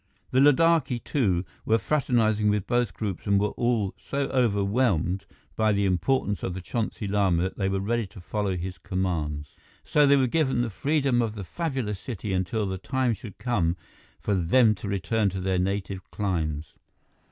The Ladakhi, too, were fraternizing with both groups and all were so overwhelmed by the importance of the Chonsi Lama that they were ready to follow his commands. So they were given the freedom of the fabulous city until the time should come for them to return to their native climes.